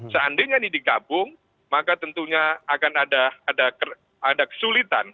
seandainya ini digabung maka tentunya akan ada kesulitan